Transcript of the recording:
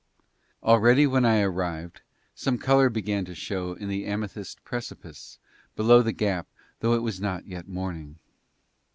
Already when I arrived some colour began to show in the amethyst precipice below the gap although it was not yet morning.